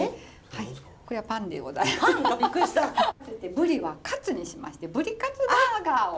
ぶりはカツにしましてぶりカツバーガーを。